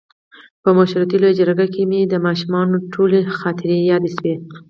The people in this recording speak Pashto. په مشورتي لویه جرګه کې مې د ماشومتوب ټولې خاطرې یادې شوې.